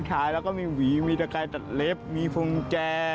มีช้ายแล้วก็มีหวีมีสกายจัดเล็บมีฟุงแจ